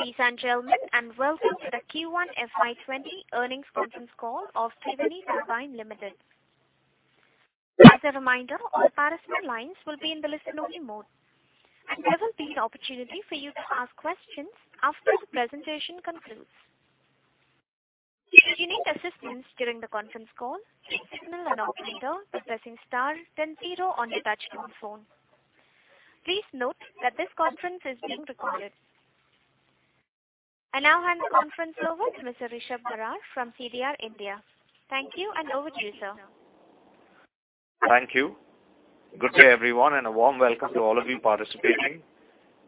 Good day, ladies and gentlemen, and welcome to the Q1 FY 2020 earnings conference call of Triveni Turbine Limited. As a reminder, all participant lines will be in the listen-only mode, and there will be an opportunity for you to ask questions after the presentation concludes. If you need assistance during the conference call, signal an operator by pressing star then zero on your touchtone phone. Please note that this conference is being recorded. I now hand the conference over to Mr. Rishabh Dhara from CDR India. Thank you, and over to you, sir. Thank you. Good day, everyone, and a warm welcome to all of you participating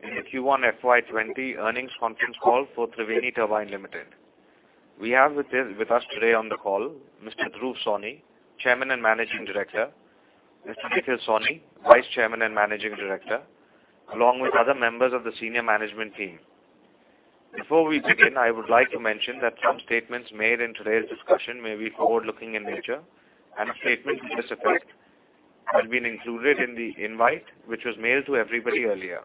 in the Q1 FY 2020 earnings conference call for Triveni Turbine Limited. We have with us today on the call Mr. Dhruv Sawhney, Chairman and Managing Director, Mr. Nikhil Sawhney, Vice Chairman and Managing Director, along with other members of the senior management team. Before we begin, I would like to mention that some statements made in today's discussion may be forward-looking in nature and a statement to this effect has been included in the invite, which was mailed to everybody earlier.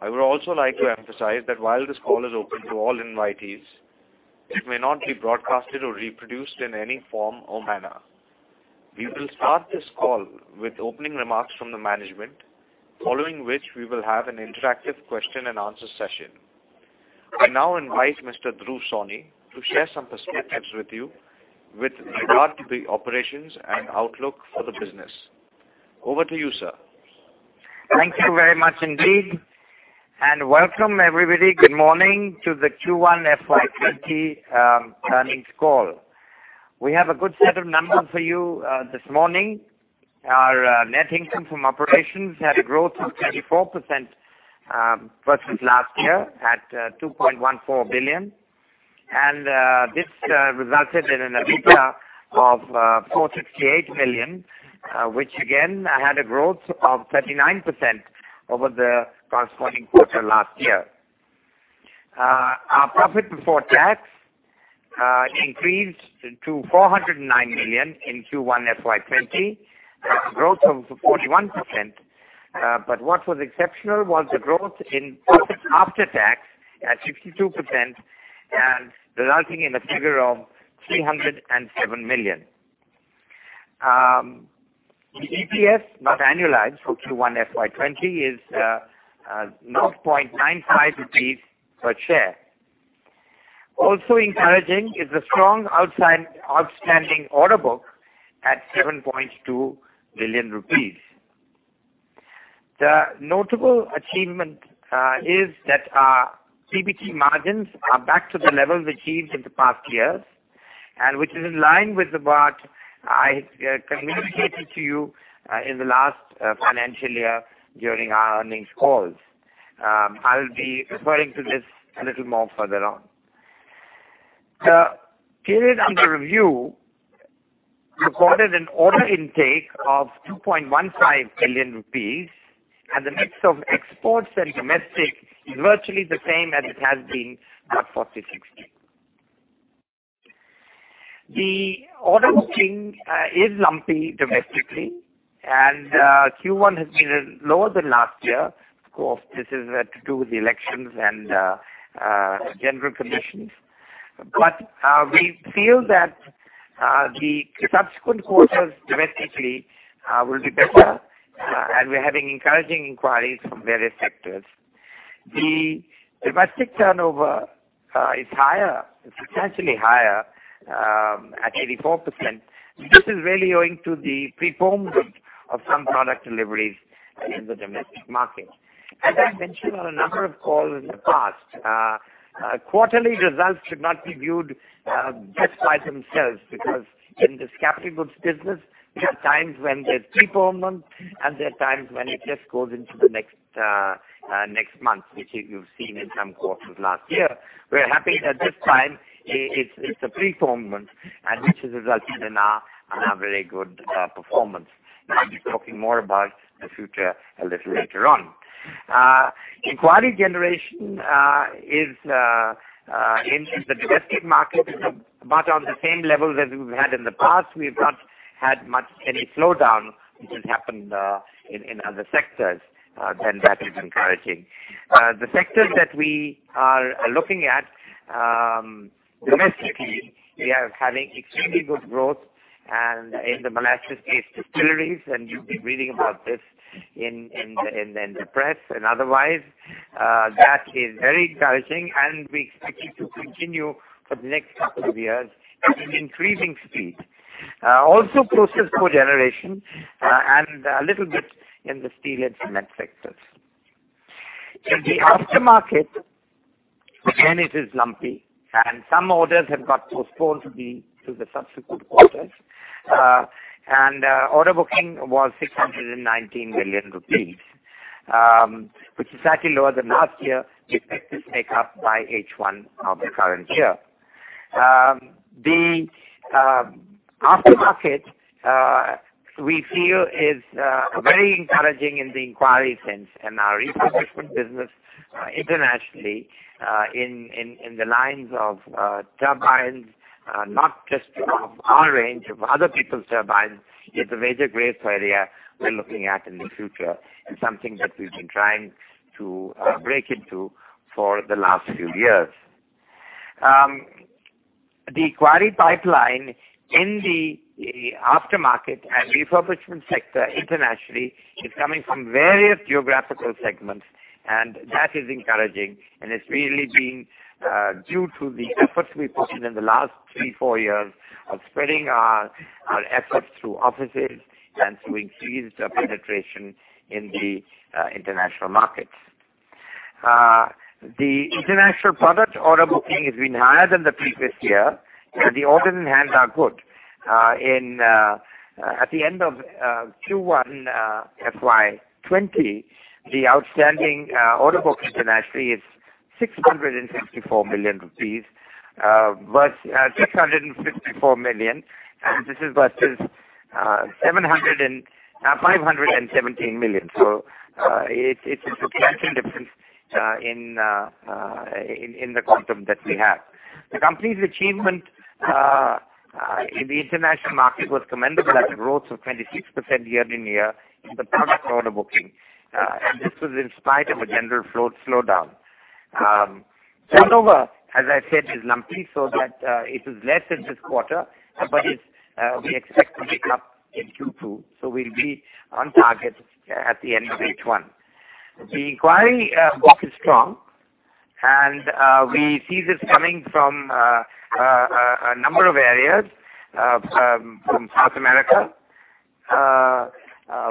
I would also like to emphasize that while this call is open to all invitees, it may not be broadcasted or reproduced in any form or manner. We will start this call with opening remarks from the management, following which we will have an interactive question and answer session. I now invite Mr. Dhruv Sawhney to share some perspectives with you with regard to the operations and outlook for the business. Over to you, sir. Thank you very much indeed, and welcome everybody. Good morning to the Q1 FY20 earnings call. We have a good set of numbers for you this morning. Our net income from operations had growth of 34% versus last year at 2.14 billion, and this resulted in an EBITDA of 468 million, which again had a growth of 39% over the corresponding quarter last year. Our profit before tax increased to 409 million in Q1 FY20, a growth of 41%. What was exceptional was the growth in profit after tax at 62% and resulting in a figure of 307 million. The EPS, not annualized for Q1 FY20, is 0.95 rupees per share. Also encouraging is the strong outstanding order book at 7.2 billion rupees. The notable achievement is that our PBT margins are back to the levels achieved in the past years and which is in line with what I communicated to you in the last financial year during our earnings calls. I'll be referring to this a little more further on. The period under review recorded an order intake of 2.15 billion rupees, and the mix of exports and domestic is virtually the same as it has been at 46. The order booking is lumpy domestically, and Q1 has been lower than last year. Of course, this is to do with the elections and general conditions. We feel that the subsequent quarters domestically will be better, and we're having encouraging inquiries from various sectors. The domestic turnover is higher, substantially higher at 84%. This is really owing to the preponed month of some product deliveries in the domestic market. As I mentioned on a number of calls in the past, quarterly results should not be viewed just by themselves because in this capital goods business, there are times when there's a preponed month, and there are times when it just goes into the next month, which you've seen in some quarters last year. We're happy that this time it's a preponed month, which has resulted in a very good performance. I'll be talking more about the future a little later on. Inquiry generation in the domestic market is about on the same levels as we've had in the past. We've not had any slowdown, which has happened in other sectors. That is encouraging. The sectors that we are looking at domestically, we are having extremely good growth in the molasses-based distilleries, you'll be reading about this in the press and otherwise. That is very encouraging. We expect it to continue for the next couple of years at an increasing speed. Process cogeneration and a little bit in the steel and cement sectors. In the aftermarket, again, it is lumpy, and some orders have got postponed to the subsequent quarters. Order booking was 619 million rupees, which is slightly lower than last year. We expect this make up by H1 of the current year. The aftermarket, we feel, is very encouraging in the inquiry sense and our refurbishing business internationally in the lines of turbines. Not just our range of other people's turbines. It's a major growth area we're looking at in the future and something that we've been trying to break into for the last few years. The inquiry pipeline in the aftermarket and refurbishment sector internationally is coming from various geographical segments, and that is encouraging, and it's really being due to the efforts we put in in the last three, four years of spreading our efforts through offices and through increased penetration in the international markets. The international product order booking has been higher than the previous year, and the orders in hand are good. At the end of Q1 FY 2020, the outstanding order book internationally is 654 million rupees. INR 654 million, this is versus 517 million. It's a substantial difference in the quantum that we have. The company's achievement in the international market was commendable at growth of 26% year-on-year in the product order booking. This was in spite of a general slowdown. Turnover, as I said, is lumpy, so that it is less in this quarter, but we expect to pick up in Q2, so we'll be on target at the end of H1. The inquiry book is strong. We see this coming from a number of areas. From South America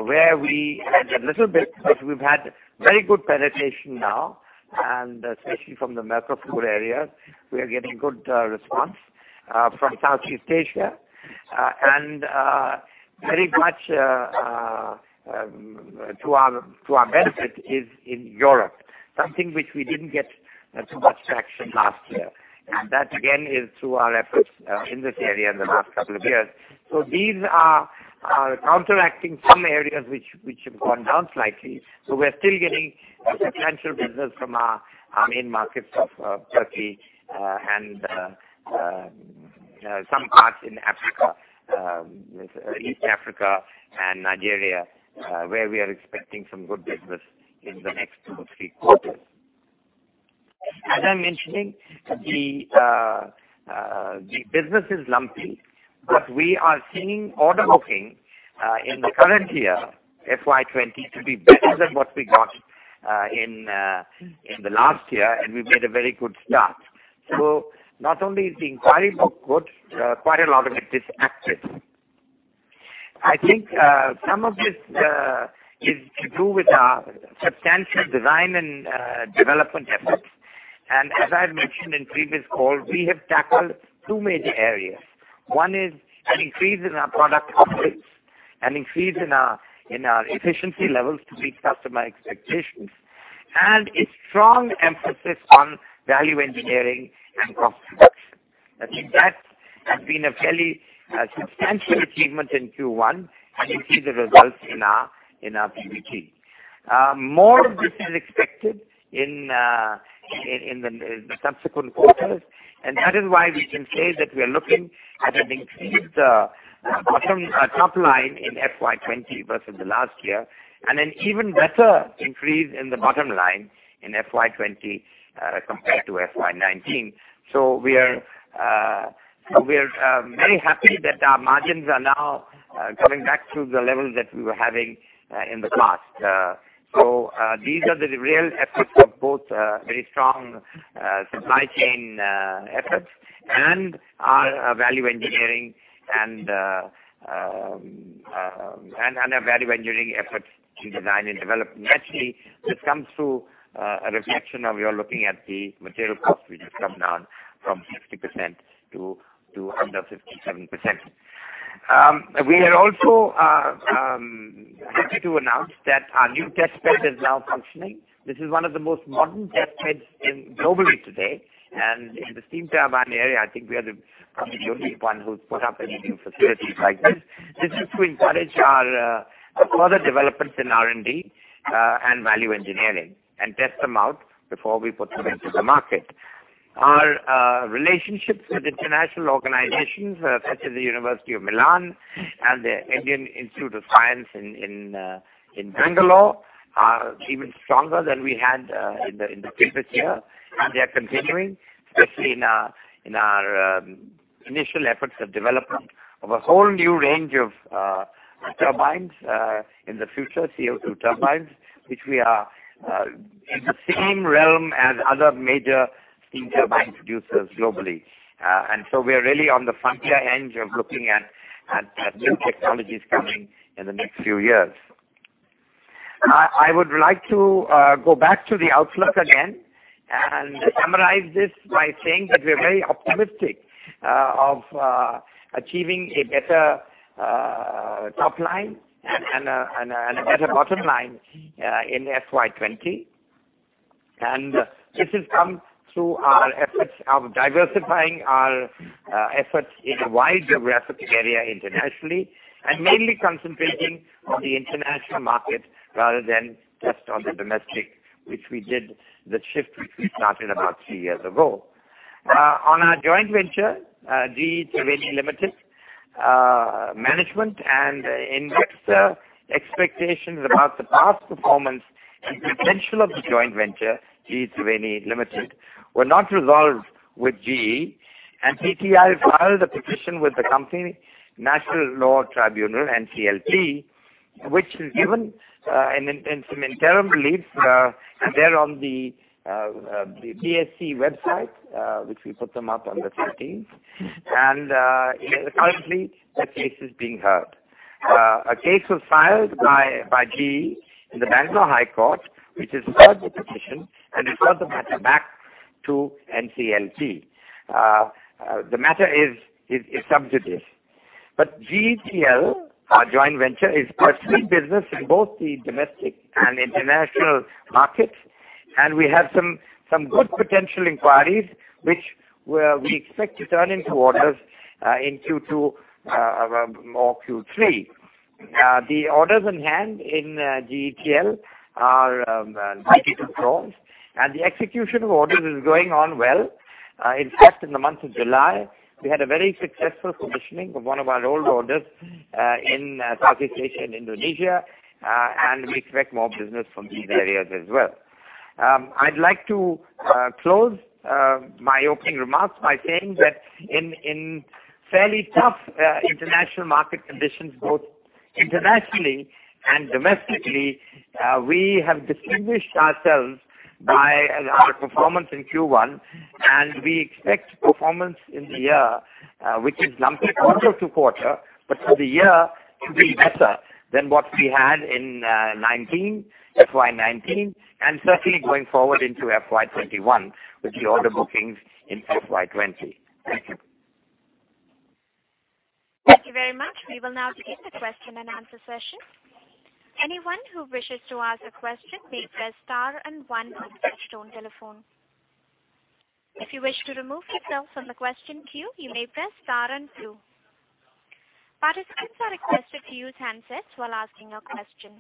where we had a little bit, but we've had very good penetration now, and especially from the Mercosur area. We are getting good response from Southeast Asia. Very much to our benefit is in Europe, something which we didn't get too much traction last year. That, again, is through our efforts in this area in the last couple of years. These are counteracting some areas which have gone down slightly. We're still getting substantial business from our main markets of Turkey and some parts in Africa, East Africa, and Nigeria where we are expecting some good business in the next two or three quarters. As I'm mentioning, the business is lumpy, but we are seeing order booking in the current year, FY 2020, to be better than what we got in the last year, and we've made a very good start. Not only is the inquiry book good, quite a lot of it is active. I think some of this is to do with our substantial design and development efforts. As I mentioned in previous calls, we have tackled two major areas. One is an increase in our product complex, an increase in our efficiency levels to meet customer expectations, and a strong emphasis on value engineering and cost reduction. I think that has been a fairly substantial achievement in Q1, and you see the results in our PBT. More of this is expected in the subsequent quarters, and that is why we can say that we're looking at an increased top line in FY20 versus the last year, and an even better increase in the bottom line in FY20 compared to FY19. We are very happy that our margins are now coming back to the level that we were having in the past. These are the real efforts of both very strong supply chain efforts and our value engineering efforts to design and develop. Naturally, this comes through a reflection of your looking at the material cost, which has come down from 60% to under 57%. We are also happy to announce that our new test bed is now functioning. This is one of the most modern test beds globally today. In the steam turbine area, I think we are probably the only one who's put up any new facilities like this. This is to encourage our further developments in R&D and value engineering and test them out before we put them into the market. Our relationships with international organizations, such as the University of Milan and the Indian Institute of Science in Bangalore, are even stronger than we had in the previous year. They're continuing, especially in our initial efforts of development of a whole new range of turbines in the future, CO2 turbines, which we are in the same realm as other major steam turbine producers globally. We are really on the frontier edge of looking at new technologies coming in the next few years. I would like to go back to the outlook again and summarize this by saying that we're very optimistic of achieving a better top line and a better bottom line in FY 2020. This has come through our efforts of diversifying our efforts in a wide geographic area internationally and mainly concentrating on the international market rather than just on the domestic, which we did the shift, which we started about three years ago. On our joint venture, GE Triveni Limited management and investor expectations about the past performance and potential of the joint venture, GE Triveni Limited, were not resolved with GE, and GETL filed a petition with the National Company Law Tribunal, NCLT, which is given some interim relief. They're on the BSE website, which we put them up on the 13th. Currently, the case is being heard. A case was filed by GE in the High Court of Karnataka, which has heard the petition and has got the matter back to NCLT. GETL, our joint venture, is pursuing business in both the domestic and international markets, and we have some good potential inquiries, which we expect to turn into orders in Q2 or Q3. The orders in hand in GETL are pretty controlled, and the execution of orders is going on well. In fact, in the month of July, we had a very successful commissioning of one of our old orders in Southeast Asia and Indonesia, and we expect more business from these areas as well. I'd like to close my opening remarks by saying that in fairly tough international market conditions, both internationally and domestically, we have distinguished ourselves by our performance in Q1. We expect performance in the year, which is lumpy quarter to quarter, but for the year to be better than what we had in FY 2019, and certainly going forward into FY 2021 with the order bookings in FY 2020. Thank you. Thank you very much. We will now begin the question and answer session. Anyone who wishes to ask a question may press star and one on their touch-tone telephone. If you wish to remove yourself from the question queue, you may press star and two. Participants are requested to use handsets while asking a question.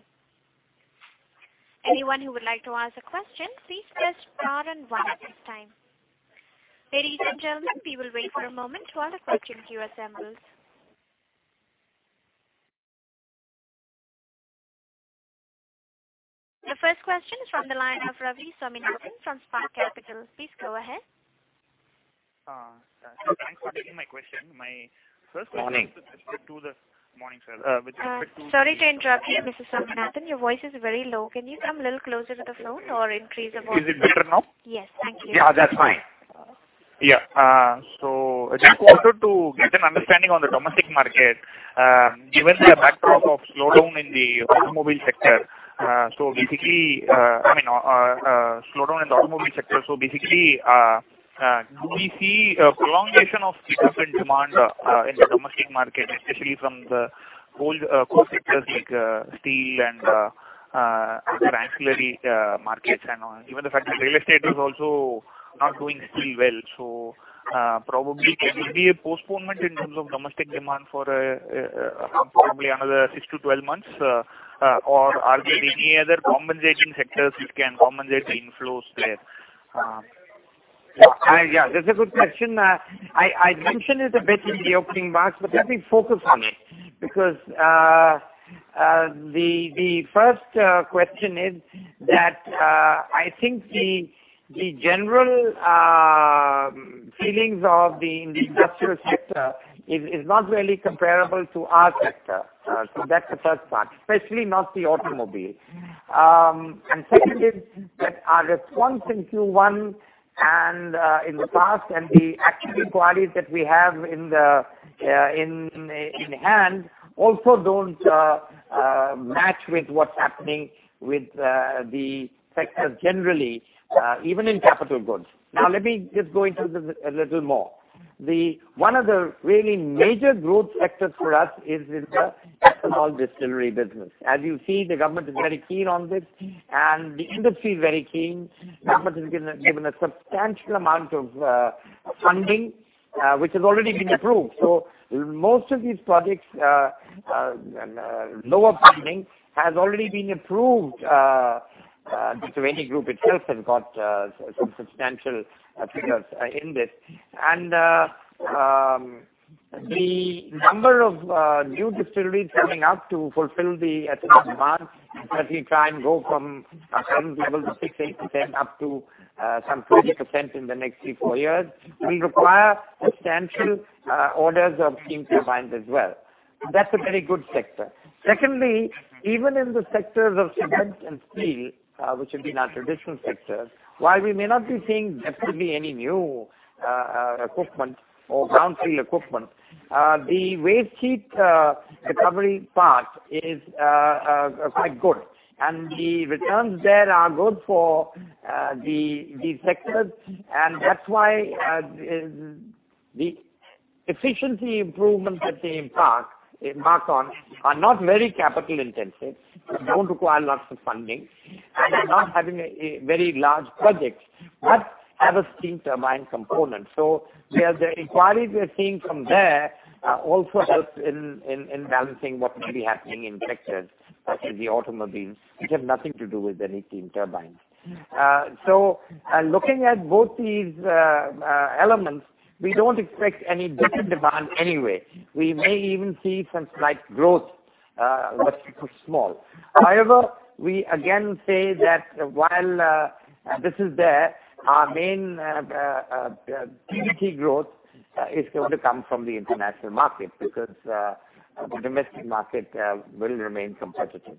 Anyone who would like to ask a question, please press star and one at this time. Ladies and gentlemen, we will wait for a moment while the question queue assembles. The first question is from the line of Ravi Swaminathan from Spark Capital. Please go ahead. Thanks for taking my question. Morning. Morning, sir. Sorry to interrupt you, Mr. Swaminathan. Your voice is very low. Can you come a little closer to the phone or increase the volume? Is it better now? Yes. Thank you. Yeah, that's fine. Yeah. Just wanted to get an understanding on the domestic market, given the backdrop of slowdown in the automobile sector. Basically, do we see a prolongation of equipment demand in the domestic market, especially from the core sectors like steel and other ancillary markets and all. Given the fact that real estate is also not doing too well, probably it will be a postponement in terms of domestic demand for probably another 6 to 12 months. Are there any other compensating sectors which can compensate the inflows there? That's a good question. I mentioned it a bit in the opening remarks, but let me focus on it, because the first question is that I think the general feelings of the industrial sector is not really comparable to our sector. That's the first part, especially not the automobile. Second is that our response in Q1 and in the past and the active inquiries that we have in hand also don't match with what's happening with the sector generally, even in capital goods. Let me just go into this a little more. One of the really major growth sectors for us is in the ethanol distillery business. As you see, the government is very keen on this, and the industry is very keen. That much has given a substantial amount of funding, which has already been approved. Most of these projects, lower funding has already been approved. The Triveni Group itself has got some substantial figures in this. The number of new distilleries coming out to fulfill the ethanol demand, as we try and go from a current level of 6, 8 to 10 up to some 20% in the next 3-4 years, will require substantial orders of steam turbines as well. That's a very good sector. Secondly, even in the sectors of cement and steel, which have been our traditional sectors, while we may not be seeing definitely any new equipment or greenfield equipment, the waste heat recovery part is quite good, and the returns there are good for these sectors. That's why the efficiency improvements that they embark on are not very capital intensive, don't require lots of funding, and are not having a very large project but have a steam turbine component. The inquiries we are seeing from there also helps in balancing what may be happening in sectors such as the automobiles, which have nothing to do with any steam turbines. Looking at both these elements. We don't expect any dip in demand anyway. We may even see some slight growth, but super small. However, we again say that while this is there, our main PBT growth is going to come from the international market because the domestic market will remain competitive.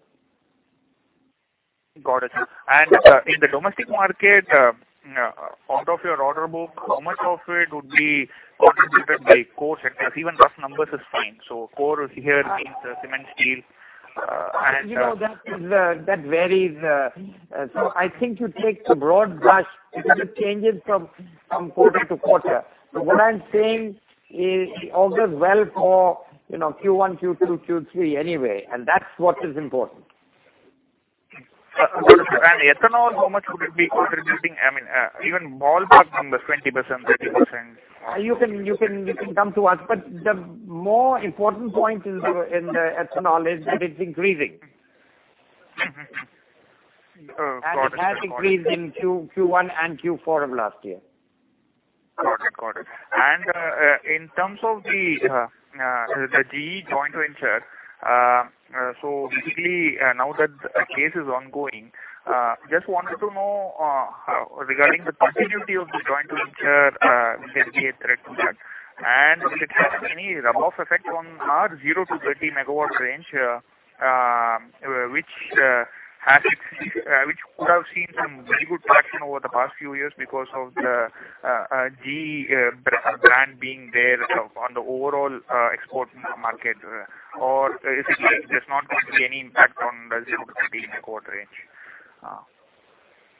Got it. In the domestic market, out of your order book, how much of it would be contributed by core sectors? Even rough numbers is fine. core here means cement, steel and- You know, that varies. I think you take the broad brush because it changes from quarter to quarter. What I'm saying is it augurs well for Q1, Q2, Q3 anyway, and that's what is important. Got it. Ethanol, how much would it be contributing? I mean, even ballpark numbers, 20%, 30%. You can come to us, but the more important point in the ethanol is that it's increasing. Got it. It has increased in Q1 and Q4 of last year. Got it. In terms of the GE joint venture, so basically now that the case is ongoing, just wanted to know regarding the continuity of the joint venture, is there any threat to that? If it has any rub-off effect on our 0 to 30 megawatt range which would have seen some very good traction over the past few years because of the GE brand being there on the overall export market. Is it like there's not going to be any impact on the 0 to 30 megawatt range?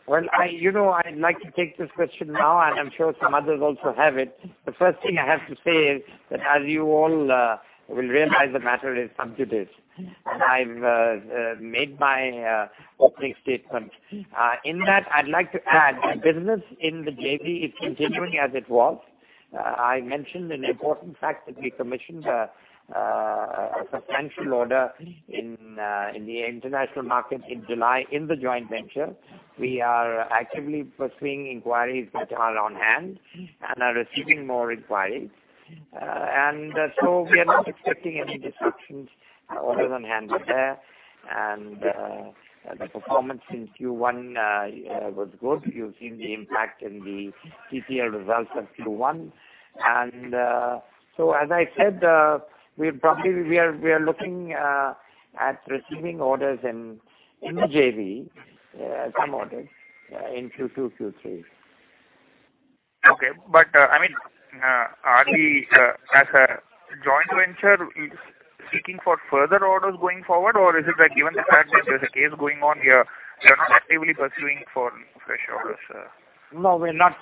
Well, I'd like to take this question now, and I'm sure some others also have it. The first thing I have to say is that as you all will realize, the matter is sub judice. I've made my opening statement. In that, I'd like to add, the business in the JV is continuing as it was. I mentioned an important fact that we commissioned a substantial order in the international market in July in the joint venture. We are actively pursuing inquiries which are on hand and are receiving more inquiries. We are not expecting any disruptions. Orders on hand are there, and the performance in Q1 was good. You've seen the impact in the CCR results of Q1. As I said, we're looking at receiving orders in the JV, some orders in Q2, Q3. Okay. I mean, are we as a joint venture seeking for further orders going forward? Or is it that given the fact that there's a case going on, you're not actively pursuing for fresh orders? No, we're not.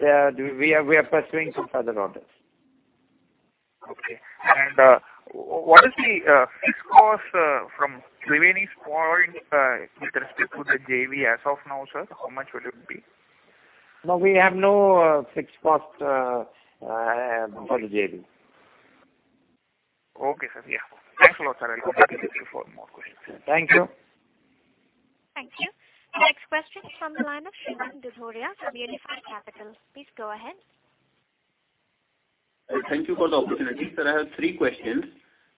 We are pursuing some further orders. Okay. What is the fixed cost from Triveni's point with respect to the JV as of now, sir? How much will it be? No, we have no fixed cost for the JV. Okay, sir. Yeah. Thanks a lot, sir. I'll come back to you for more questions. Thank you. Thank you. Next question is from the line of Sreemant Dudhoria from Unifi Capital. Please go ahead. Thank you for the opportunity. Sir, I have three questions.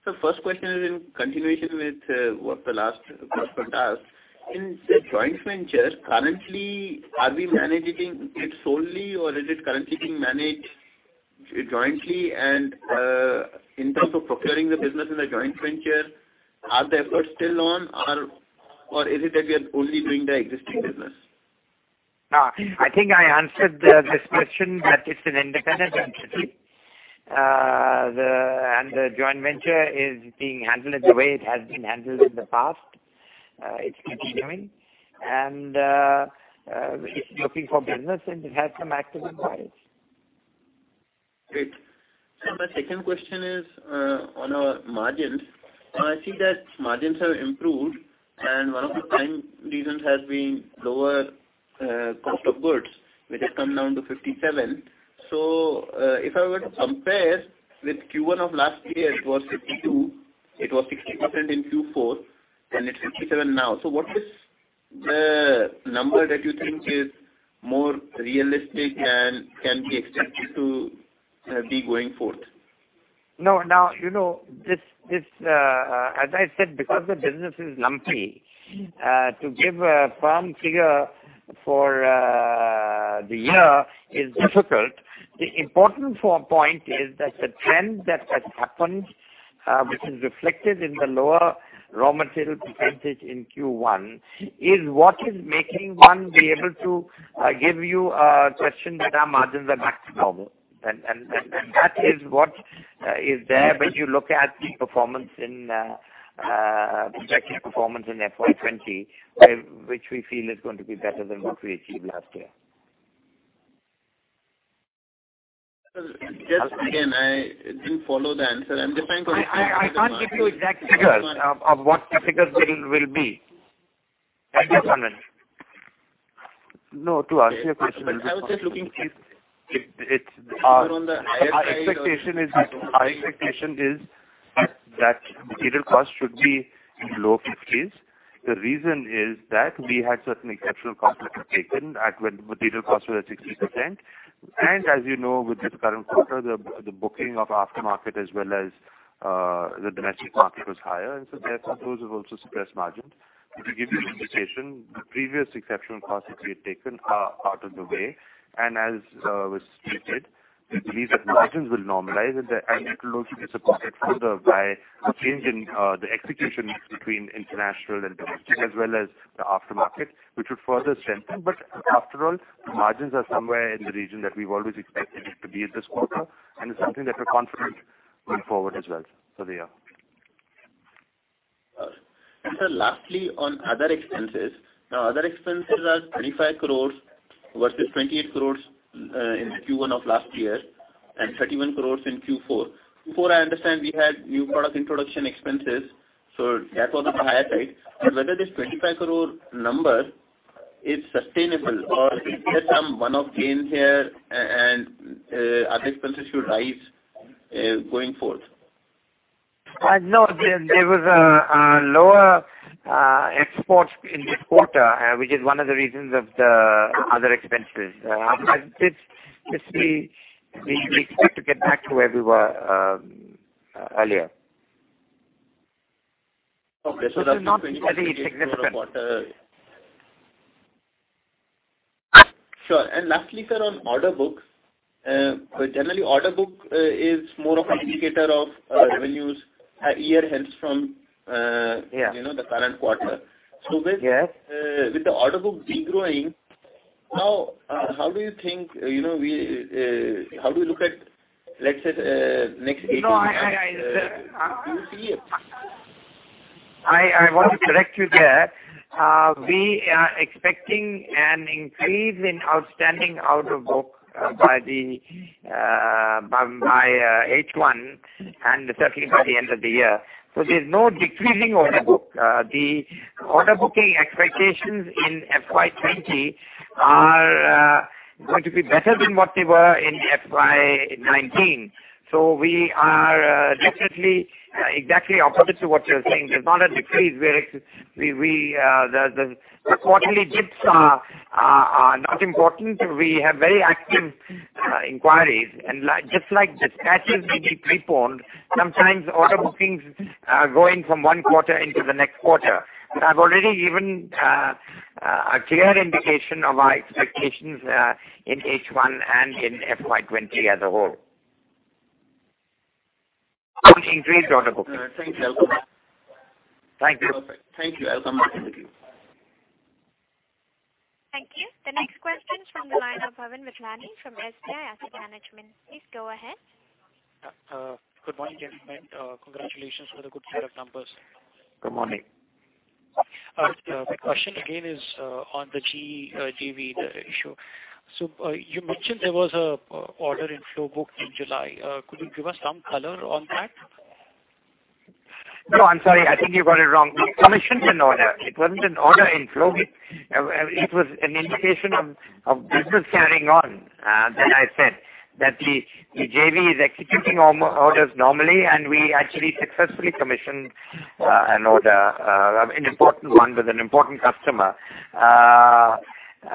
Sir, first question is in continuation with what the last person asked. In the joint venture, currently, are we managing it solely or is it currently being managed jointly? In terms of procuring the business in the joint venture, are the efforts still on or is it that we are only doing the existing business? I think I answered this question, that it's an independent entity. The joint venture is being handled the way it has been handled in the past. It's continuing, and it's looking for business, and it has some active inquiries. Great. Sir, my second question is on our margins. I see that margins have improved and one of the prime reasons has been lower cost of goods, which has come down to 57%. If I were to compare with Q1 of last year, it was 52%, it was 60% in Q4, and it's 57% now. What is the number that you think is more realistic and can be expected to be going forth? As I said, because the business is lumpy, to give a firm figure for the year is difficult. The important point is that the trend that has happened, which is reflected in the lower raw material percentage in Q1, is what is making one be able to give you a question that our margins are back to normal. That is what is there when you look at the projected performance in FY 2020, which we feel is going to be better than what we achieved last year. Sir, just again, I didn't follow the answer. I'm just trying to understand. I can't give you exact figures of what the figures will be. Yes, Shivan? No, to ask you a question. I was just looking. Our expectation is. That material cost should be in low 50s. The reason is that we had certain exceptional costs which were taken when material costs were at 60%. As you know, with this current quarter, the booking of aftermarket as well as the domestic market was higher, therefore those have also suppressed margins. To give you an indication, the previous exceptional costs which we had taken are out of the way, as was stated, we believe that margins will normalize and it will also be supported further by a change in the execution mix between international and domestic, as well as the aftermarket, which would further strengthen. After all, margins are somewhere in the region that we've always expected it to be this quarter, and it's something that we're confident going forward as well. There. Sir, lastly, on other expenses. Other expenses are 25 crore versus 28 crore in Q1 of last year and 31 crore in Q4. Q4, I understand we had new product introduction expenses, so that was the higher side. Whether this 25 crore number is sustainable or there's some one-off gain here and other expenses should rise going forth? No. There was lower exports in this quarter, which is one of the reasons of the other expenses. We expect to get back to where we were earlier. Okay. This is not really significant. Sure. Lastly, sir, on order book. Generally, order book is more of an indicator of revenues a year hence from. Yeah the current quarter. Yes. With the order book degrowing, how do you look at, let's say, next eight to nine months? Do you see? I want to correct you there. We are expecting an increase in outstanding order book by H1 and certainly by the end of the year. There's no decreasing order book. The order booking expectations in FY 2020 are going to be better than what they were in FY 2019. We are definitely exactly opposite to what you're saying. There's not a decrease. The quarterly dips are not important. We have very active inquiries. Just like dispatches may be postponed, sometimes order bookings are going from one quarter into the next quarter. I've already given a clear indication of our expectations in H1 and in FY 2020 as a whole. An increased order booking. Thank you. Thank you. Perfect. Thank you. I'll come back to you. Thank you. The next question is from the line of Bhavin Vithlani from SBI Mutual Fund. Please go ahead. Good morning, gentlemen. Congratulations for the good set of numbers. Good morning. My question again is on the JV ratio. You mentioned there was an order inflow book in July. Could you give us some color on that? No, I'm sorry. I think you got it wrong. We commissioned an order. It wasn't an order in flow book. It was an indication of business carrying on that I said, that the JV is executing orders normally, and we actually successfully commissioned an order, an important one with an important customer. This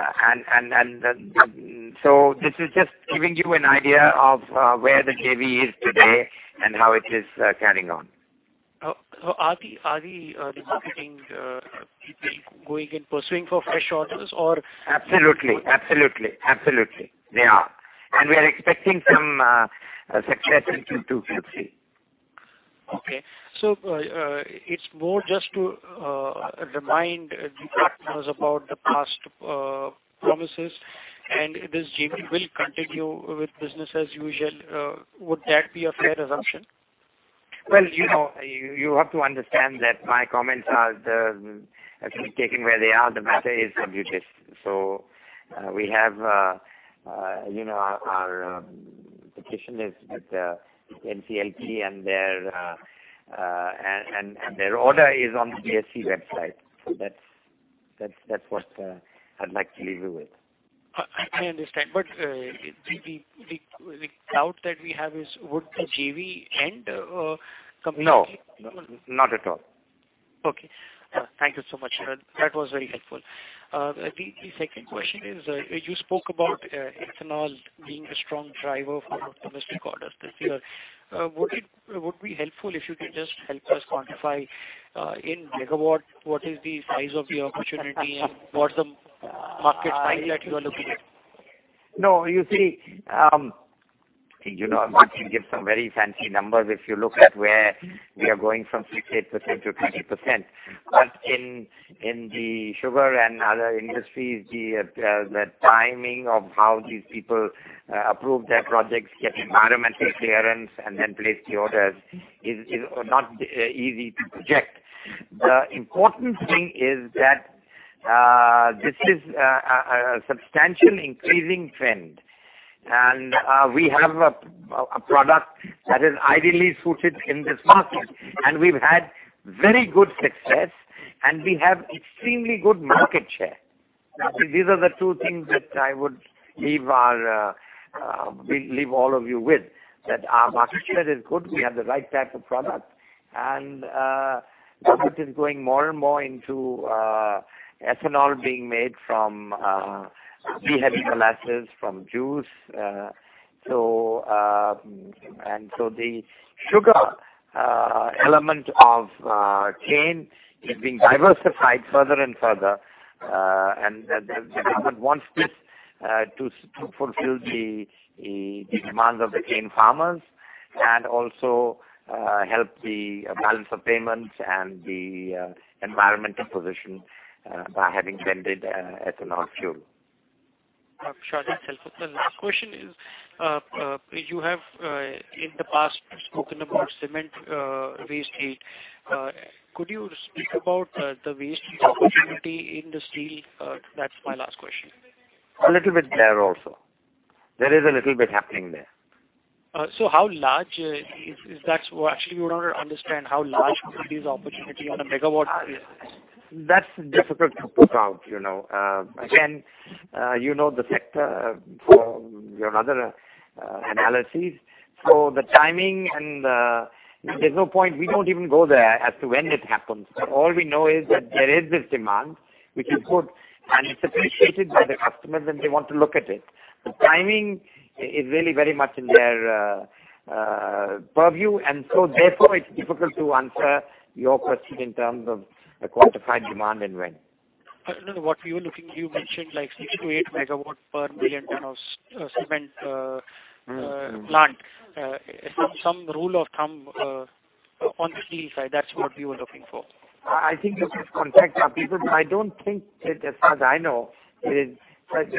is just giving you an idea of where the JV is today and how it is carrying on. Are we looking, going and pursuing for fresh orders or? Absolutely. They are. We are expecting some success in Q2, we'll see. Okay. It's more just to remind the partners about the past promises, and this JV will continue with business as usual. Would that be a fair assumption? You have to understand that my comments are actually taken where they are. The matter is sub judice. We have our petition is with NCLT, and their order is on the BSE website. That's what I'd like to leave you with. I understand. The doubt that we have is would the JV end completely? No. Not at all. Okay. Thank you so much. That was very helpful. The second question is, you spoke about ethanol being a strong driver for domestic orders this year. Would it be helpful if you could just help us quantify in gigawatt, what is the size of the opportunity and what's the market size that you are looking at? No. You see, one can give some very fancy numbers if you look at where we are going from 68% to 20%. In the sugar and other industries, the timing of how these people approve their projects, get environmental clearance, and then place the orders is not easy to project. The important thing is that this is a substantial increasing trend. We have a product that is ideally suited in this market, and we've had very good success, and we have extremely good market share. These are the two things that I would leave all of you with, that our market share is good. We have the right type of product, and the government is going more and more into ethanol being made from B-heavy molasses from juice. The sugar element of cane is being diversified further and further, and the government wants this to fulfill the demands of the cane farmers and also help the balance of payments and the environmental position by having blended ethanol fuel. Sawhney, the last question is, you have in the past spoken about cement waste heat. Could you speak about the waste heat opportunity in the steel? That's my last question. A little bit there also. There is a little bit happening there. Actually, we would want to understand how large would be this opportunity on a megawatt scale? That's difficult to put out. Again, you know the sector from your other analyses. There's no point. We don't even go there as to when it happens. All we know is that there is this demand, which is good, and it's appreciated by the customers, and they want to look at it. The timing is really very much in their purview, therefore, it's difficult to answer your question in terms of the quantified demand and when. No, what we were looking, you mentioned six to eight MW per million tons of cement plant. Some rule of thumb on the steel side. That's what we were looking for. I think you could contact our people, but I don't think that, as far as I know, because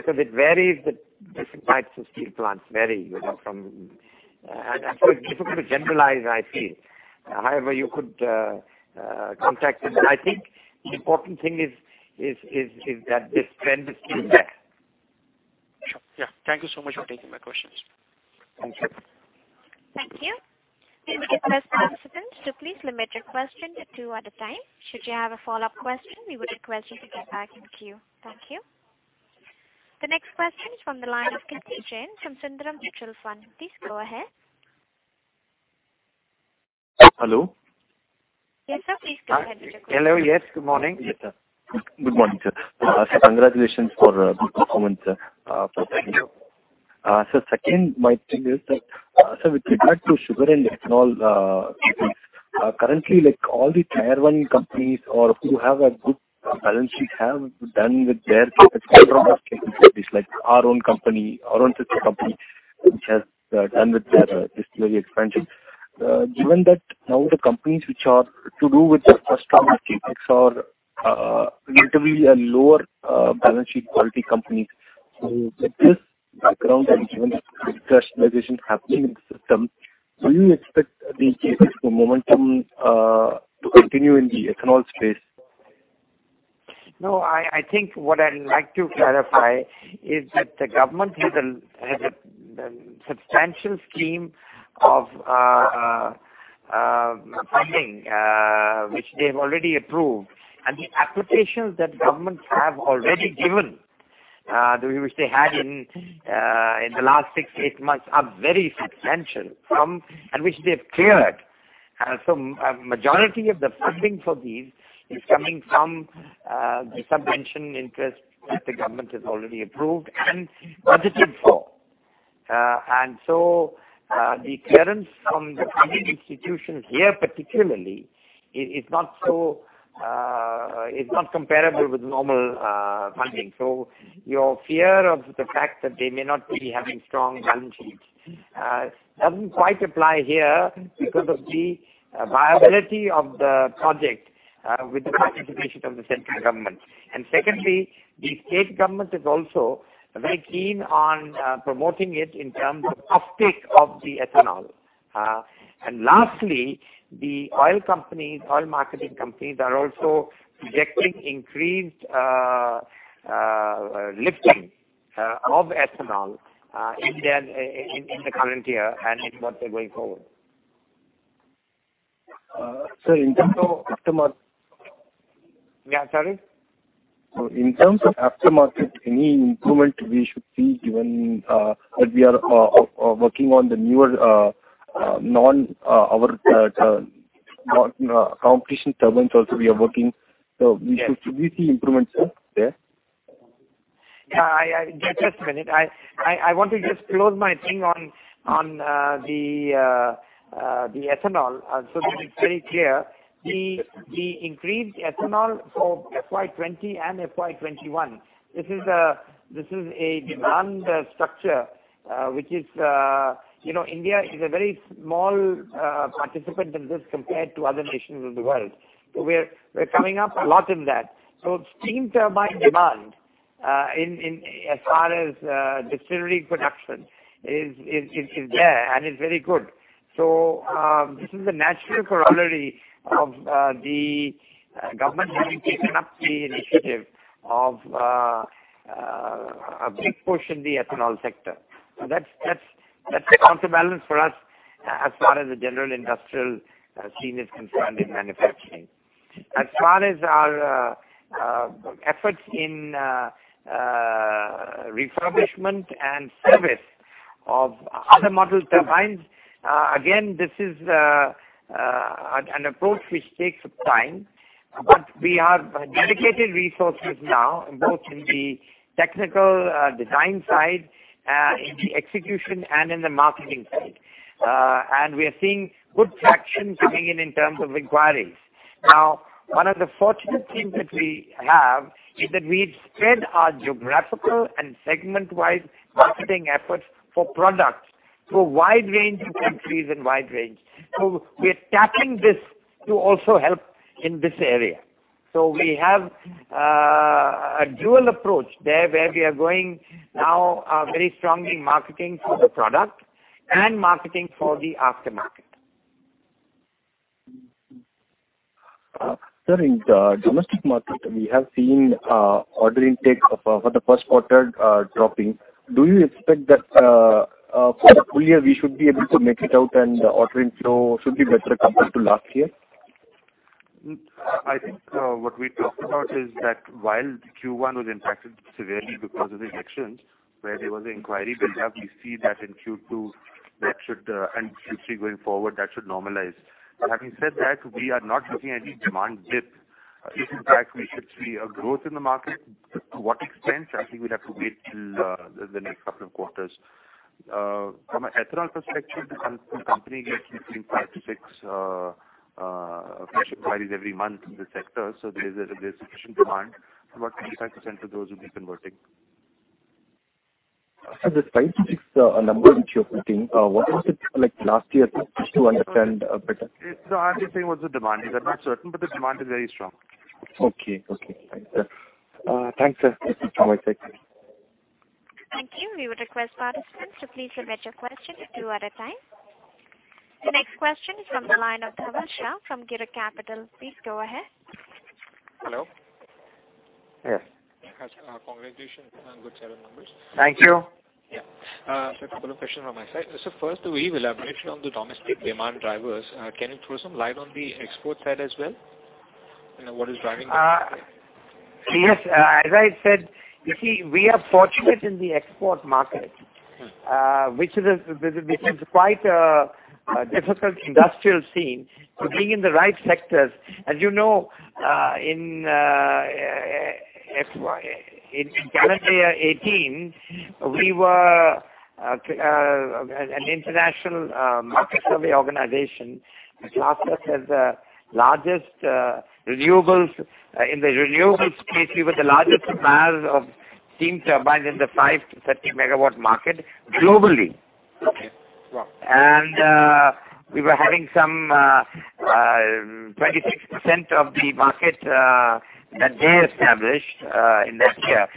the different types of steel plants vary. So it's difficult to generalize, I feel. However, you could contact them. I think the important thing is that this trend is there. Sure. Yeah. Thank you so much for taking my questions. Thank you. Thank you. We have many participants, so please limit your question to two at a time. Should you have a follow-up question, we would request you to get back in queue. Thank you. The next question is from the line of Kshitij Jain from Sundaram Mutual Fund. Please go ahead. Hello? Yes, sir. Please go ahead with your question. Hello. Yes, good morning. Yes, sir. Good morning, sir. Congratulations for good performance, sir. Thank you. Sir, second, my thing is that, sir, with regard to sugar and ethanol business, currently, all the Tier 1 companies or who have a good balance sheet have done with their CapEx program of 2023, like our own company, which has done with their distillery expansion. Given that now the companies which are to do with their first round of CapEx are relatively a lower balance sheet quality company. With this background and given the customization happening in the system, do you expect the CapEx momentum to continue in the ethanol space? No, I think what I'd like to clarify is that the government has a substantial scheme of funding which they've already approved. The applications that governments have already given, which they had in the last six, eight months, are very substantial, and which they've cleared. Majority of the funding for these is coming from the subvention interest that the government has already approved and budgeted for. The clearance from the funding institutions here particularly is not comparable with normal funding. Your fear of the fact that they may not really have a strong balance sheet doesn't quite apply here because of the viability of the project with the participation of the central government. Secondly, the state government is also very keen on promoting it in terms of offtake of the ethanol. Lastly, the oil companies, oil marketing companies, are also projecting increased lifting of ethanol in the current year and in what they're going forward. Sir, in terms of aftermarket- Yeah, sorry. In terms of aftermarket, any improvement we should see given that we are working on the newer, our competition turbines also we are working. Should we see improvements there? Yeah. Just a minute. I want to just close my thing on the ethanol so that it's very clear. The increased ethanol for FY 2020 and FY 2021, this is a demand structure. India is a very small participant in this compared to other nations of the world. We're coming up a lot in that. Steam turbine demand as far as distillery production is there and is very good. This is a natural corollary of the government having taken up the initiative of a big push in the ethanol sector. That's the counterbalance for us. As far as the general industrial scene is concerned in manufacturing. As far as our efforts in refurbishment and service of other model turbines, again, this is an approach which takes up time, but we are dedicated resources now, both in the technical design side, in the execution, and in the marketing side. We are seeing good traction coming in terms of inquiries. One of the fortunate things that we have is that we've spread our geographical and segment-wide marketing efforts for products to a wide range of countries. We're tapping this to also help in this area. We have a dual approach there, where we are going now very strong in marketing for the product and marketing for the aftermarket. Sir, in the domestic market, we have seen order intake for the first quarter dropping. Do you expect that for the full year, we should be able to make it out, and the order inflow should be better compared to last year? I think what we talked about is that while Q1 was impacted severely because of the elections, where there was an inquiry buildup, we see that in Q2 and Q3 going forward, that should normalize. Having said that, we are not looking at any demand dip. In fact, we should see a growth in the market. To what extent, I think we'll have to wait till the next couple of quarters. From an external perspective, the company gets between five to six fresh inquiries every month in the sector, so there's sufficient demand. About 25% of those will be converting. Sir, this 5-6 number which you're putting, what was it like last year? Just to understand better. I'm just saying what's the demand is. I'm not certain, but the demand is very strong. Okay. Thanks, sir. Thank you. We would request participants to please submit your question two at a time. The next question is from the line of Dhaval Shah from Girik Capital. Please go ahead. Hello. Yes. Congratulations on good set of numbers. Thank you. Yeah. A couple of questions from my side. First, we've elaboration on the domestic demand drivers. Can you throw some light on the export side as well? What is driving that? Yes. As I said, you see, we are fortunate in the export market, which is quite a difficult industrial scene to bring in the right sectors. As you know, in calendar year 2018, an international market survey organization classed us as the largest renewables. In the renewables space, we were the largest suppliers of steam turbines in the 5-30 megawatt market globally. Okay. Wow. We were having some 26% of the market that they established in that year.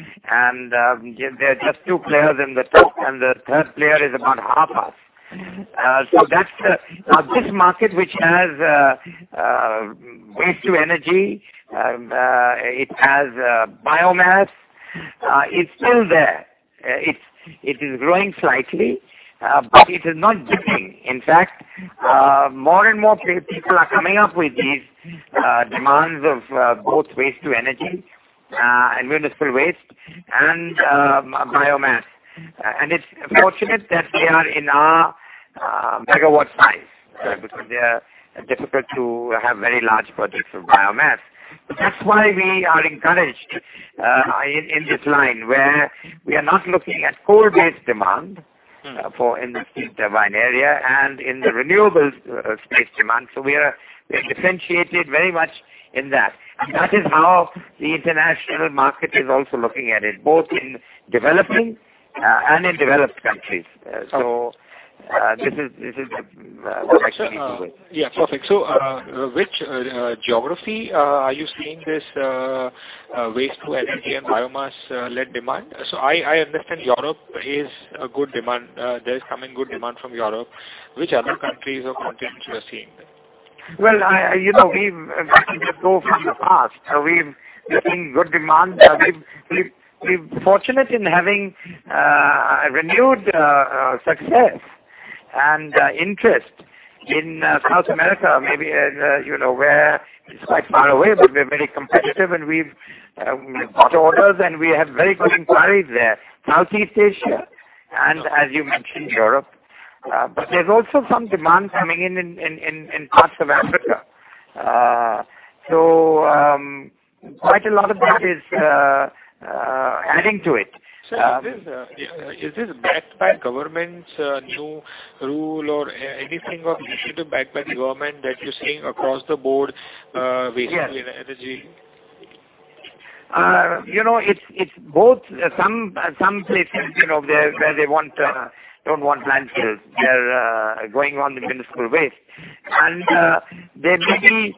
There are just two players in the top, and the third player is about half of us. This market, which has waste to energy, it has biomass. It's still there. It is growing slightly, but it is not dipping. In fact, more and more people are coming up with these demands of both waste to energy and municipal waste and biomass. It's fortunate that they are in our megawatt size, because they are difficult to have very large projects for biomass. That's why we are encouraged in this line, where we are not looking at coal-based demand in the steam turbine area and in the renewables space demand. We are differentiated very much in that. That is how the international market is also looking at it, both in developing and in developed countries. This is the direction we should go in. Yeah, perfect. Which geography are you seeing this waste to energy and biomass led demand? I understand Europe is a good demand. There's coming good demand from Europe. Which other countries or continents you are seeing this? Well, we've gone through the past. We've seen good demand. We're fortunate in having renewed success and interest in South America, maybe where it's quite far away, but we're very competitive and we've got orders and we have very good inquiries there, Southeast Asia and as you mentioned, Europe. There's also some demand coming in parts of Africa. Quite a lot of that is adding to it. Sir, is this backed by government's new rule or anything or initiative backed by the government that you're seeing across the board waste to energy? Yes. It's both. Some places where they don't want landfills, they're going on the municipal waste. There may be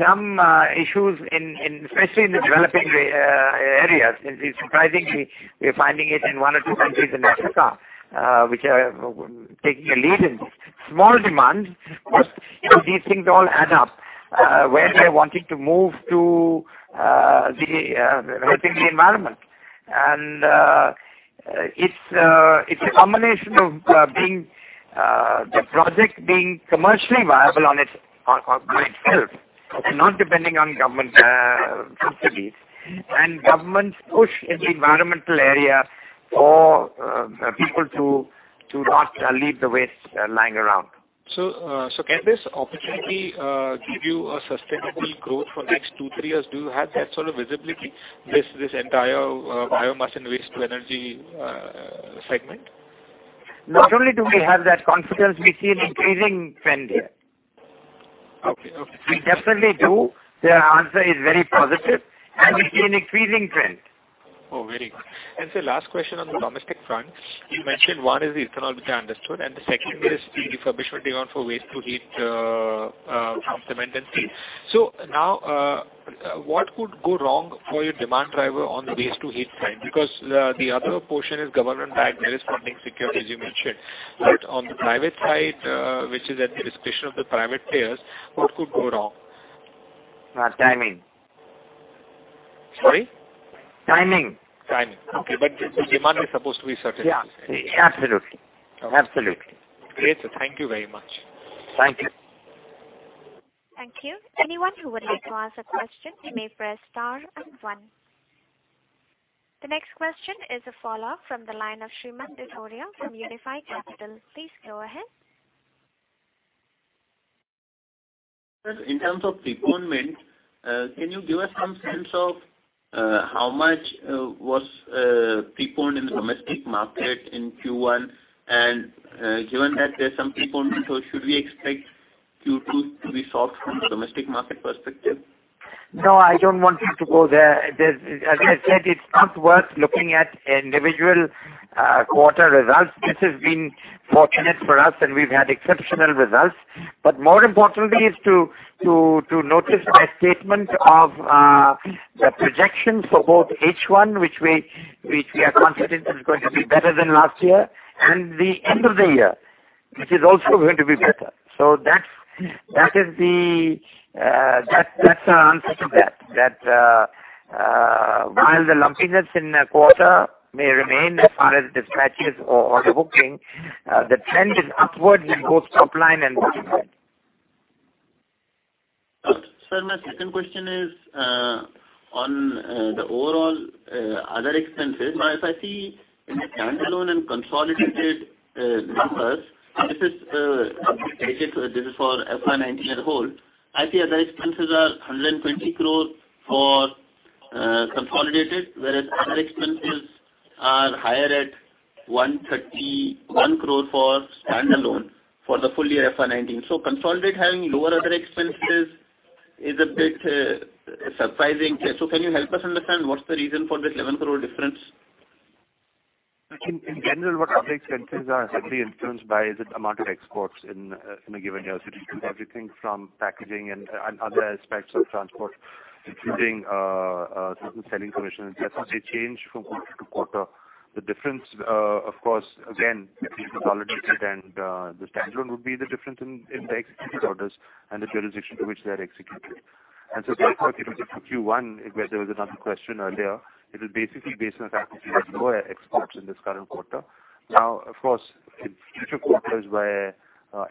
some issues especially in the developing areas. Surprisingly, we're finding it in one or two countries in Africa, which are taking a lead in this. Small demand. These things all add up, where they're wanting to move to protecting the environment. It's a combination of the project being commercially viable by itself, and not depending on government subsidies, and governments push in the environmental area for people to not leave the waste lying around. Can this opportunity give you a sustainable growth for next two, three years? Do you have that sort of visibility, this entire biomass and waste to energy segment? Not only do we have that confidence, we see an increasing trend here. Okay. We definitely do. The answer is very positive, and we see an increasing trend. Oh, very good. Sir, last question on the domestic front. You mentioned one is the ethanol, which I understood, and the second is the refurbishment deal for waste to heat from cement and steel. Now, what could go wrong for your demand driver on the waste to heat front? The other portion is government backed. There is funding secured, as you mentioned. On the private side, which is at the discretion of the private players, what could go wrong? Timing. Sorry? Timing. Timing. Okay. The demand is supposed to be certain. Yeah. Absolutely. Okay. Absolutely. Great, sir. Thank you very much. Thank you. Thank you. Anyone who would like to ask a question may press star and one. The next question is a follow-up from the line of Sreemant Dudhoria from Unifi Capital. Please go ahead. Sir, in terms of postponement, can you give us some sense of how much was postponed in the domestic market in Q1? Given that there's some postponement, so should we expect Q2 to be soft from domestic market perspective? I don't want you to go there. As I said, it's not worth looking at individual quarter results. This has been fortunate for us, and we've had exceptional results. More importantly is to notice my statement of the projections for both H1, which we are confident is going to be better than last year, and the end of the year, which is also going to be better. That's our answer to that. That while the lumpiness in a quarter may remain as far as dispatches or the booking, the trend is upward in both top line and bottom line. Sir, my second question is on the overall other expenses. If I see in standalone and consolidated numbers, this is for FY 2019 as a whole, I see other expenses are 120 crore for consolidated, whereas other expenses are higher at 131 crore for standalone for the full year FY 2019. Consolidated having lower other expenses is a bit surprising. Can you help us understand what's the reason for this 11 crore difference? In general, what other expenses are certainly influenced by the amount of exports in a given year. It includes everything from packaging and other aspects of transport, including certain selling commissions. They change from quarter to quarter. The difference, of course, again, between consolidated and the standalone would be the difference in the executed orders and the jurisdiction to which they are executed. Therefore, if you look at Q1, where there was another question earlier, it is basically based on the fact that we have lower exports in this current quarter. Now, of course, in future quarters where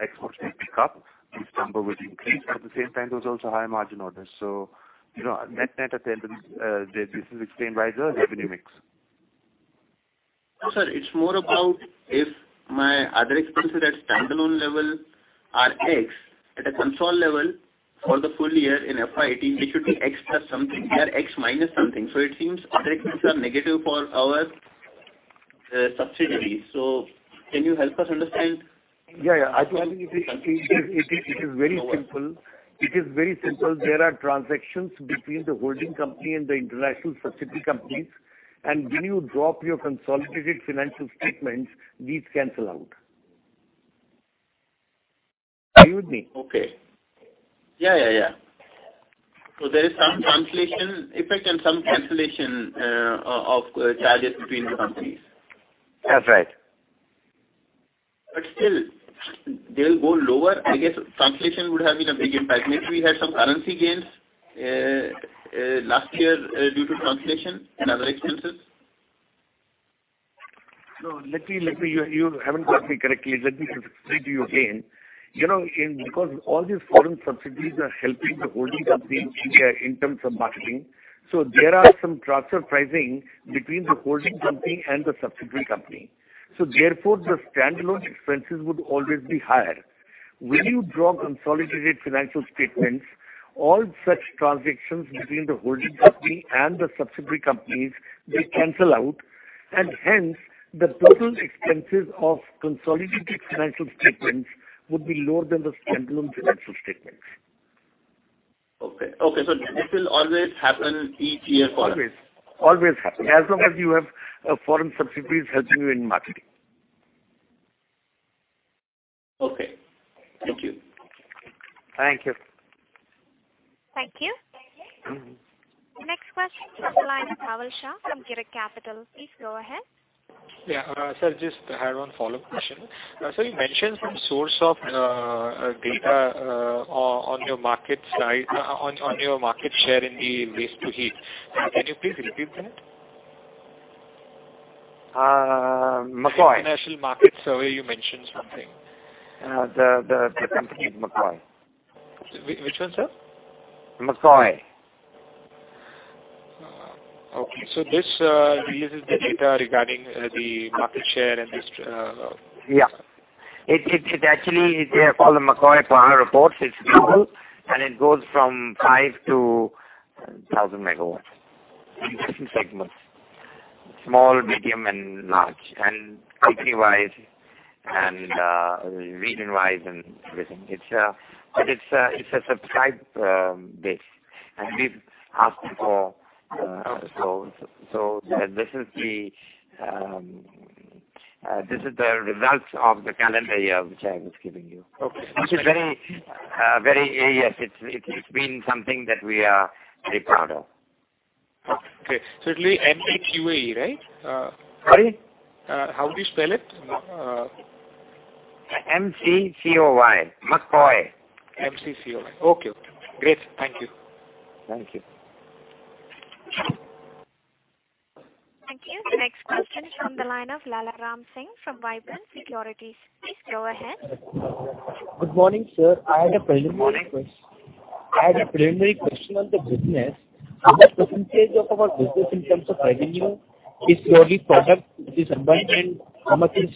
exports may pick up, this number will increase. At the same time, those are also high margin orders. Net-net, this is explained by the revenue mix. No, sir, it's more about if my other expenses at standalone level are X, at a consolidated level for the full year in FY 2018, it should be X plus something. Here, X minus something. It seems other expenses are negative for our subsidiaries. Can you help us understand? Yeah. I think it is very simple. There are transactions between the holding company and the international subsidiary companies. When you draw up your consolidated financial statements, these cancel out. Are you with me? Okay. Yeah. There is some translation effect and some cancellation of charges between the companies. That's right. Still, they'll go lower. I guess translation would have been a big impact. Maybe we had some currency gains last year due to translation and other expenses. No, you haven't got me correctly. Let me explain to you again. All these foreign subsidiaries are helping the holding company in terms of marketing. There are some transfer pricing between the holding company and the subsidiary company. Therefore, the standalone expenses would always be higher. When you draw consolidated financial statements, all such transactions between the holding company and the subsidiary companies, they cancel out, and hence, the total expenses of consolidated financial statements would be lower than the standalone financial statements. Okay. This will always happen each year for us. Always. Always happen. As long as you have foreign subsidies helping you in marketing. Okay. Thank you. Thank you. Thank you. Next question from the line of Dhaval Shah from Girik Capital. Please go ahead. Sir, just I have one follow-up question. Sir, you mentioned some source of data on your market share in the waste heat. Can you please repeat that? McCoy. The international market survey, you mentioned something. The company is McCoy. Which one, sir? McCoy. Okay. This releases the data regarding the market share. Yeah. It actually, they're called the McCoy Power Reports. It's global, and it goes from five to 1,000 megawatts in different segments. Small, medium, and large, and company-wise and region-wise and everything. It's a subscribe base. We've asked them for those. This is the results of the calendar year of which I was giving you. Okay. Yes, it's been something that we are very proud of. Okay. It'll be M-A-Q-A-E, right? Sorry? How do you spell it? M-C-C-O-Y, McCoy. M-C-C-O-Y. Okay. Great. Thank you. Thank you. Thank you. The next question is from the line of Lalaram Singh from Vibrant Securities. Please go ahead. Good morning, sir. Good morning. I had a preliminary question on the business. What % of our business in terms of revenue is solely product, which is turbine, and how much is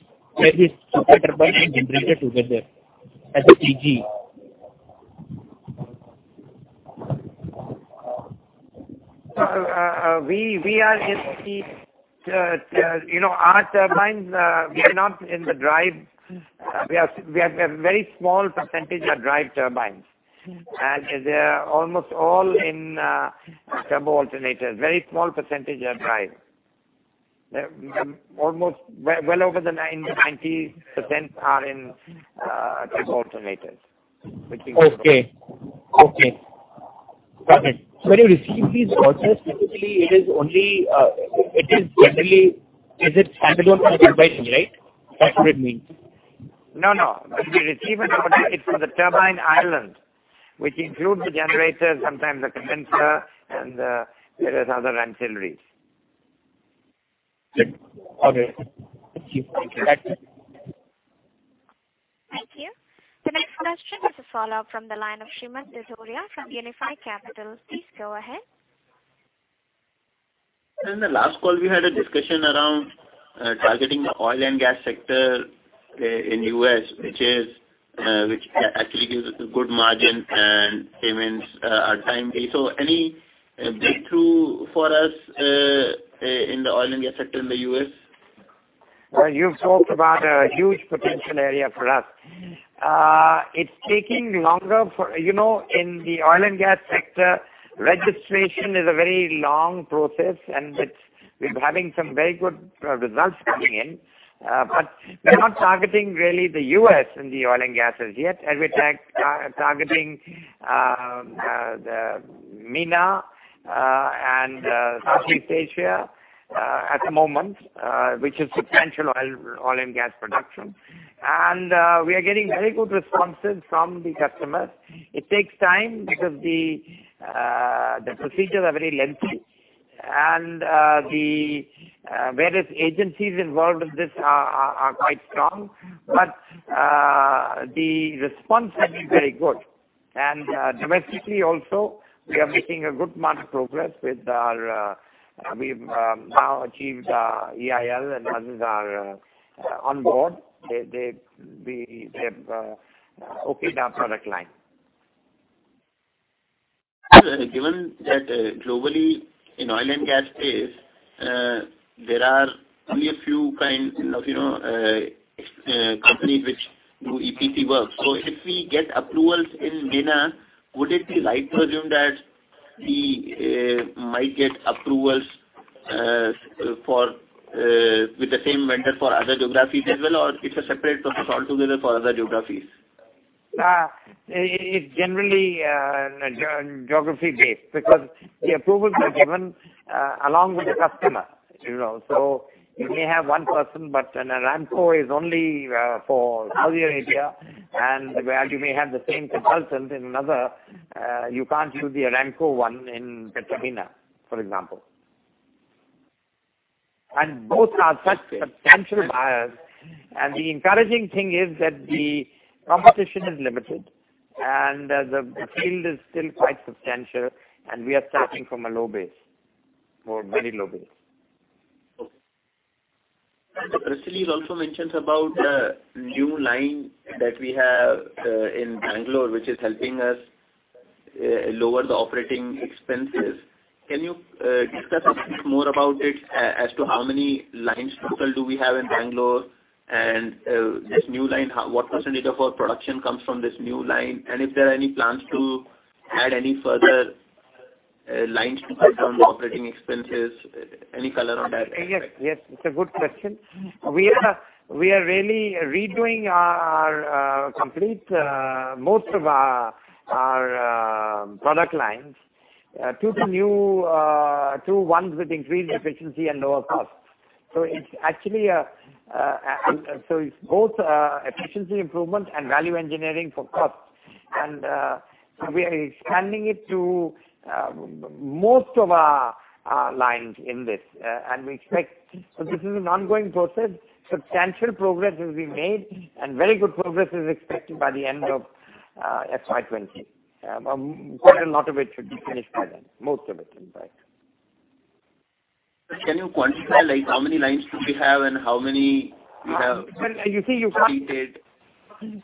super turbine and generator together as a TG? Our turbines, we are not in the drive. A very small percentage are drive turbines. They're almost all in turbo alternators. A very small percentage are drive. Well over the 90% are in turbo alternators. Okay. Got it. When you receive these orders, typically, is it standard order turbine, right? That's what it means. No. When we receive an order, it's for the turbine island, which includes the generator, sometimes a condenser, and various other ancillaries. Okay. Thank you. Thank you. Thank you. The next question is a follow-up from the line of Srimant Deshoriya from Unifi Capital. Please go ahead. In the last call, we had a discussion around targeting the oil and gas sector in the U.S., which actually gives a good margin and payments are timely. Any breakthrough for us in the oil and gas sector in the U.S.? Well, you've talked about a huge potential area for us. In the oil and gas sector, registration is a very long process, and we're having some very good results coming in. We're not targeting really the U.S. in the oil and gases yet. We're targeting the MENA and Southeast Asia at the moment, which is substantial oil and gas production. We are getting very good responses from the customers. It takes time because the procedures are very lengthy, and the various agencies involved with this are quite strong. The response has been very good. Domestically also, we are making a good amount of progress. We've now achieved our EIL and others are on board. They've okayed our product line. Given that globally in oil and gas space there are only a few companies which do EPC work. If we get approvals in MENA, would it be right to assume that we might get approvals with the same vendor for other geographies as well, or it's a separate process altogether for other geographies? It's generally geography-based because the approvals are given along with the customer. You may have one person, but an Aramco is only for Saudi Arabia. Where you may have the same consultant in another, you can't use the Aramco one in Pertamina, for example. Both are such substantial buyers, and the encouraging thing is that the competition is limited, and the field is still quite substantial, and we are starting from a low base, or very low base. Okay. The press release also mentions about a new line that we have in Bangalore, which is helping us lower the operating expenses. Can you discuss a bit more about it as to how many lines total do we have in Bangalore? This new line, what percentage of our production comes from this new line? If there are any plans to add any further lines to cut on operating expenses? Any color on that? Yes. It's a good question. We are really redoing most of our product lines, the new ones with increased efficiency and lower cost. It's both efficiency improvement and value engineering for cost. We are expanding it to most of our lines in this. This is an ongoing process. Substantial progress has been made, and very good progress is expected by the end of FY 2020. Quite a lot of it should be finished by then, most of it. Can you quantify, how many lines do we have and how many you have completed?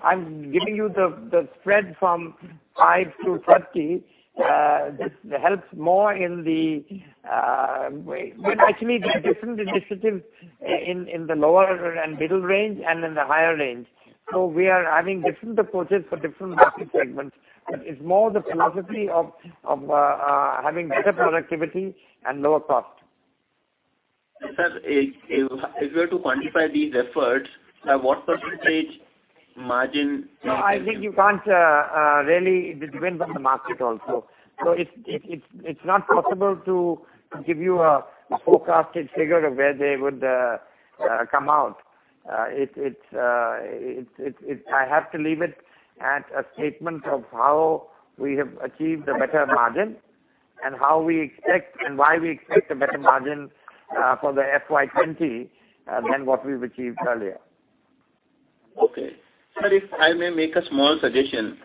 I'm giving you the spread from five to 30. This helps more in the Actually, there are different initiatives in the lower and middle range and in the higher range. We are having different approaches for different market segments, but it's more the philosophy of having better productivity and lower cost. Sir, if you are to quantify these efforts, what % margin? I think you can't really. It depends on the market also. It's not possible to give you a forecasted figure of where they would come out. I have to leave it at a statement of how we have achieved a better margin and why we expect a better margin for the FY20 than what we've achieved earlier. Okay. Sir, if I may make a small suggestion.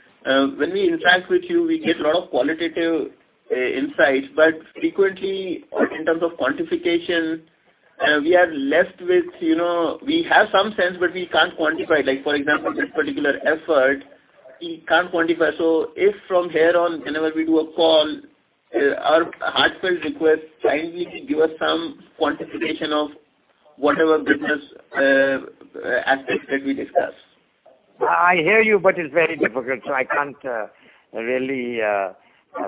When we interact with you, we get a lot of qualitative insights, but frequently, in terms of quantification, we are left with, we have some sense, but we can't quantify. Like, for example, this particular effort, we can't quantify. If from here on, whenever we do a call, our heartfelt request, kindly give us some quantification of whatever business aspects that we discuss. I hear you, but it's very difficult, so I can't really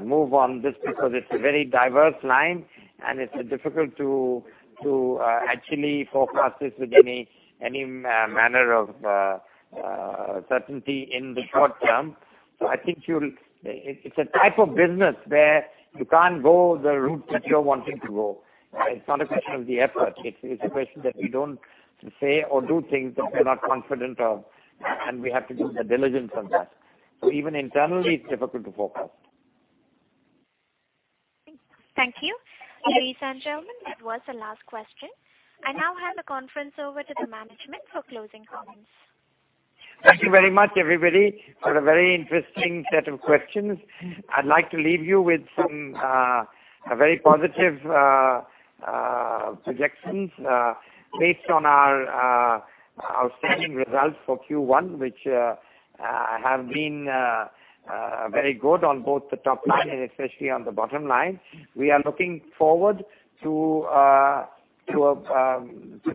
move on this because it's a very diverse line, and it's difficult to actually forecast this with any manner of certainty in the short term. I think it's a type of business where you can't go the route that you're wanting to go. It's not a question of the effort. It's a question that we don't say or do things that we're not confident of, and we have to do the diligence on that. Even internally, it's difficult to forecast. Thank you. Ladies and gentlemen, that was the last question. I now hand the conference over to the management for closing comments. Thank you very much, everybody, for a very interesting set of questions. I'd like to leave you with some very positive projections based on our outstanding results for Q1, which have been very good on both the top line and especially on the bottom line. We are looking forward to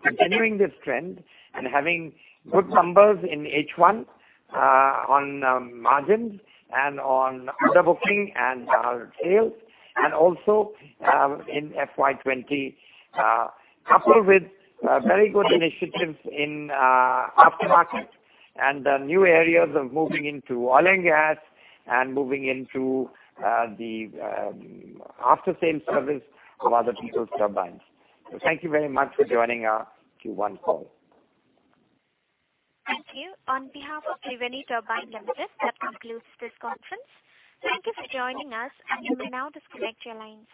continuing this trend and having good numbers in H1 on margins and on overbooking and our sales, and also in FY 2020, coupled with very good initiatives in aftermarket and new areas of moving into oil and gas and moving into the after-sales service of other people's turbines. Thank you very much for joining our Q1 call. Thank you. On behalf of Triveni Turbine Limited, that concludes this conference. Thank you for joining us. You may now disconnect your lines.